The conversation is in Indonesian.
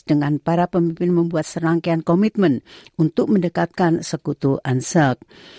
dengan para pemimpin membuat serangkaian komitmen untuk mendekatkan sekutu ansak